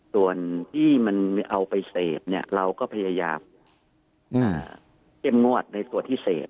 ส่วนที่มันเอาไปเสพเราก็พยายามเข้มงวดในส่วนที่เสพ